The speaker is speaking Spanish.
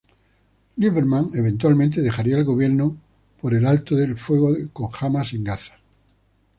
Lieberman eventualmente dejaría el gobierno por el alto el fuego con Hamas en Gaza.